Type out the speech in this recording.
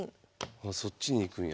あそっちに行くんや。